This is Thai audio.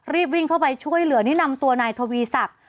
รีบวิ่งเข้าไปช่วยเหลือนี่นำตัวนายทวีศักดิ์